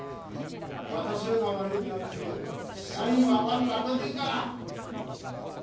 私らが悪いんであって、社員は悪くありませんから。